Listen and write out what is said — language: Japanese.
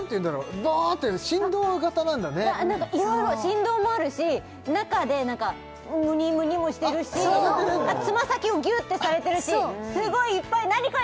バーッて振動型なんだねいろいろ振動もあるし中でムニムニもしてるしつま先をギュッてされてるしすごいいっぱい何これ！？